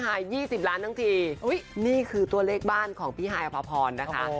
ไห้๒๐ล้านทั้งทีอุ๊ยนี่คือตัวเลขบ้านของพี่ไห้พอพรนะคะ๑๒๘๑๒๖